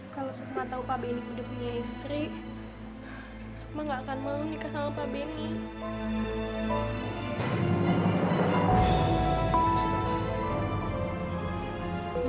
kalau sukma tahu pak benny sudah punya istri sukma tidak akan malu menikah dengan pak benny